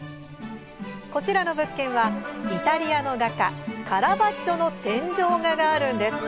こちらの物件はイタリアの画家、カラバッジョの天井画があるんです。